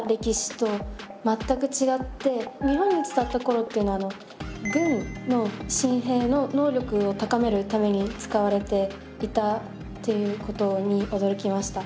日本に伝わった頃っていうのは軍の新兵の能力を高めるために使われていたっていうことに驚きました。